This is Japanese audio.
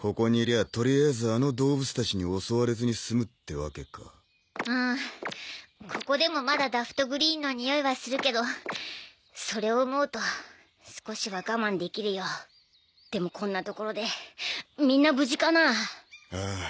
とりあえずあの動物たちに襲われずに済むってワケかうんここでもまだダフトグリーンのにおいはするけどそれを思うと少しは我慢できるよでもこんな所でみんな無事かなあああ